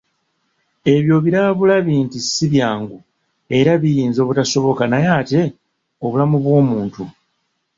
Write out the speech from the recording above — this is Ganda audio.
Ebyo obiraba bulabi nti si byangu, era biyinza obutasoboka naye ate obulamu bw'omuntu